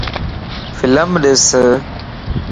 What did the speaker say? فلم ڏس